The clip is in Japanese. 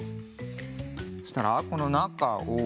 そしたらこのなかを。